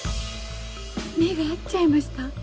目が合っちゃいました。